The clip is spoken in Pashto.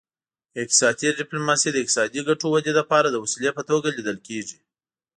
اقتصادي ډیپلوماسي د اقتصادي ګټو ودې لپاره د وسیلې په توګه لیدل کیږي